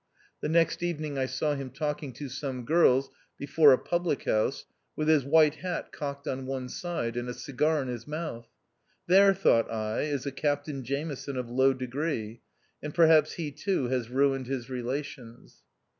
The next evening I saw him talking to some girls before a public house, with his white hat cocked on one side, and a cigar in his mouth. There, thought I, is a Captain Jameson of low degree, and perhaps he too has ruined his relations.